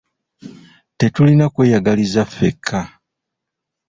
Tetulina kweyagaliza ffeka.